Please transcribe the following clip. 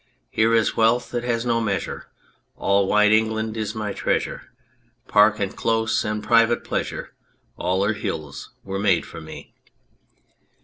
Here is wealth that has no measure, All wide England is my treasure, Park and Close and private pleasure : All her hills were made for me.